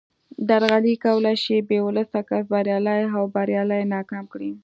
درغلي کولای شي بې ولسه کس بریالی او بریالی ناکام کړي